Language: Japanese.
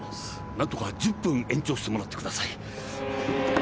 なんとか１０分延長してもらってください。